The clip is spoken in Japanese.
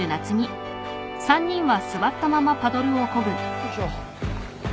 ・よいしょ。